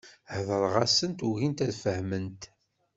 Heddreɣ-asent, ugint ad fehment.